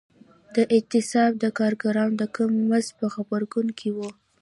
دا اعتصاب د کارګرانو د کم مزد په غبرګون کې و.